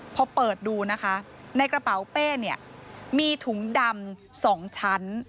พอเปิดดูนะคะในกระเป๋าเป้เนี่ยมีถุงดำ๒ชั้น